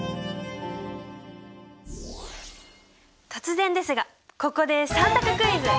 突然ですがここで３択クイズ！